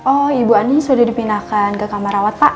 oh ibu ani sudah dipindahkan ke kamar rawat pak